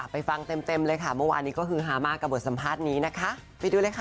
ฟังเต็มเต็มเลยค่ะเมื่อวานนี้ก็คือฮามากกับบทสัมภาษณ์นี้นะคะไปดูเลยค่ะ